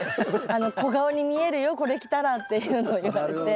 「小顔に見えるよこれ着たら」っていうのを言われて。